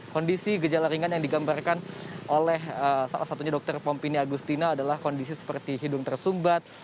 kondisi gejala ringan yang digambarkan oleh salah satunya dokter pompini agustina adalah kondisi seperti hidung tersumbat